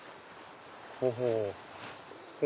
ほほう。